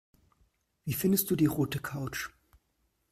Wie findest du die rote Couch?